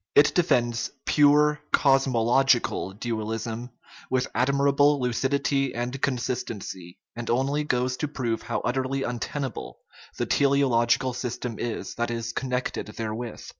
It defends pure cosmological dual ism with admirable lucidity and consistency, and only goes to prove how utterly untenable the teleological system is that is connected therewith.